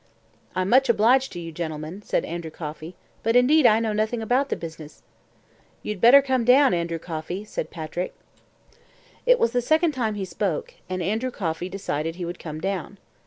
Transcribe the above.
"I'm much obliged to you, gentlemen," said Andrew Coffey, "but indeed I know nothing about the business." "You'd better come down, Andrew Coffey," said Patrick. It was the second time he spoke, and Andrew Coffey decided he would come down.